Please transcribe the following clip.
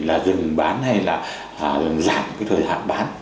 là dừng bán hay là giảm cái thời hạn bán